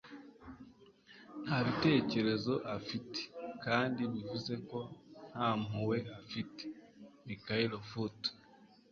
nta bitekerezo afite kandi bivuze ko nta mpuhwe afite. - michael foot